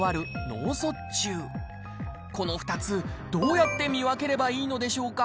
この２つ、どうやって見分ければいいのでしょうか。